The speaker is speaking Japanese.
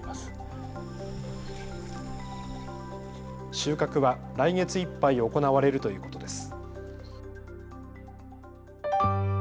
収穫は来月いっぱい行われるということです。